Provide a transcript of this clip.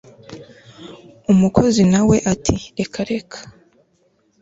umukozi nawe ati reka reka